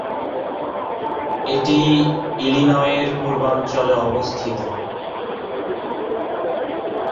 এটি ইলিনয়ের পূর্বাঞ্চলে অবস্থিত।